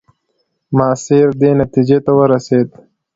ماسیر دې نتیجې ته ورسېد.